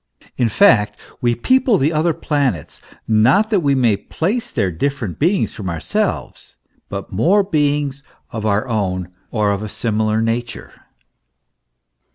In fact, we people the other planets, not that we may place there different beings from ourselves, but more beings of our own or of a similar nature.